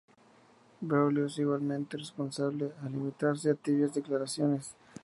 Braulio es igualmente responsable al limitarse a tibias declaraciones